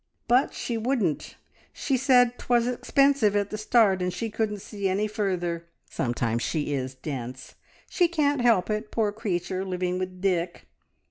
But she wouldn't. She said 'twas expensive at the start, and she couldn't see any further. Sometimes she is dense. She can't help it, poor creature, living with Dick!